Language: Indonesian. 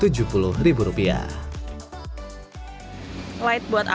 dan juga tepung satunya terlihat lembut